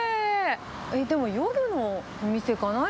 えっ、でも夜のお店かな？